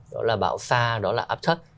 đó là bão xa đó là áp thất